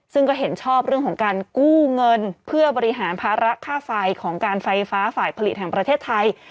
ซึ่งก็เห็นชอบเรื่องของการกู้เงินเพื่อบริหารภาระค่าไฟของการไฟฟ้าฝ่ายผลิตแห่งประเทศไทย